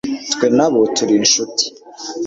twe na bo turi inshuti